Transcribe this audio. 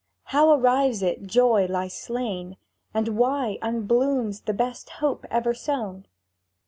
How arrives it joy lies slain, And why unblooms the best hope ever sown?